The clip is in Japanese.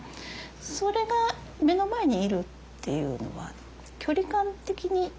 それが目の前にいるっていうのは距離感的にちょうどいいです。